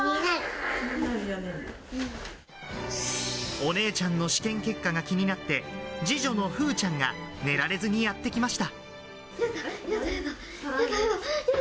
お姉ちゃんの試験結果が気になって二女の風羽ちゃんが寝られずにやってきました。